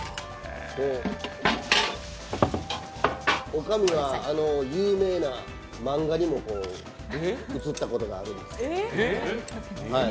おかみは有名な漫画にも映ったことがあるんです。